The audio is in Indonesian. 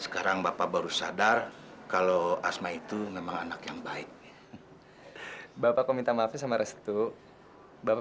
hai apa kabar baik baik sama sama